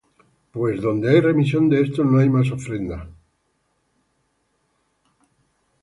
Pues donde hay remisión de éstos, no hay más ofrenda por pecado.